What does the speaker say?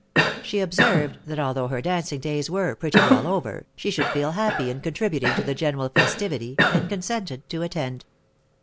She observed, that although her dancing days were pretty well over, she should feel happy in contributing to the general festivity, and consented to attend.